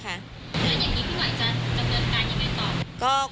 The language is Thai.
แล้วอย่างนี้พี่ไหวจะเงินการอย่างนี้ต่อ